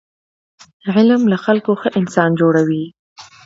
علم له خلکو ښه انسانان جوړوي.